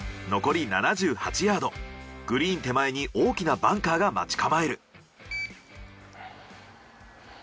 残り７８ヤードグリーン手前に大きなバンカーが待ち構える。